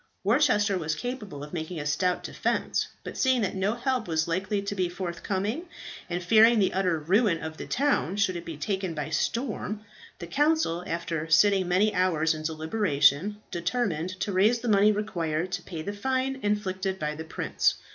Worcester was capable of making a stout defence, but seeing that no help was likely to be forthcoming, and fearing the utter ruin of the town should it be taken by storm, the council, after sitting many hours in deliberation, determined to raise the money required to pay the fine inflicted by the prince.